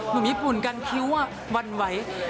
หนุ่มญี่ปุ่นกันคิ้วหวั่นไหว